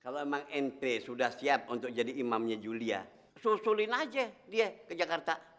kalau emang nt sudah siap untuk jadi imamnya julia susulin aja dia ke jakarta